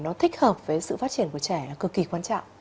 nó thích hợp với sự phát triển của trẻ là cực kỳ quan trọng